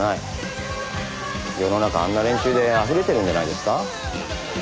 世の中あんな連中であふれてるんじゃないですか？